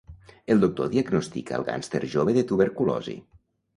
El doctor diagnostica el gàngster jove de tuberculosi.